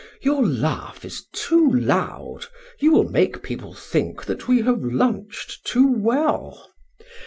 Your laugh is too loud, you will make people think that we have lunched too well.